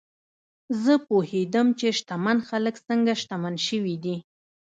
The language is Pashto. زه پوهېدم چې شتمن خلک څنګه شتمن شوي دي.